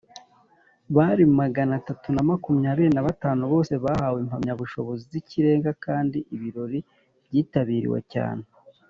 bari magana atatu na makumyabiri nabatanu bose bahawe impamyabushobozi z’Ikirenga kandi ibirori byitabiriwe cyane.